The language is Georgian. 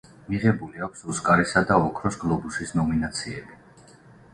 მიღებული აქვს ოსკარისა და ოქროს გლობუსის ნომინაციები.